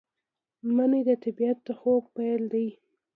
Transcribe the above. منی د طبیعت د خوب پیل دی